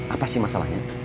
apa sih masalahnya